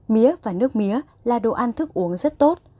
mía và nước mía là đồ ăn thức uống rất tốt